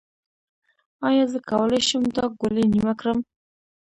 ایا زه کولی شم دا ګولۍ نیمه کړم؟